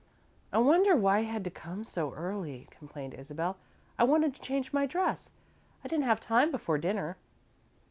"I wonder why he had to come so early," complained Isabel. "I wanted to change my dress. I didn't have time before dinner."